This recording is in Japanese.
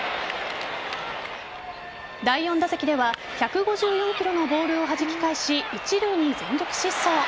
第４打席では１５４キロのボールを弾き返し一塁に全力疾走。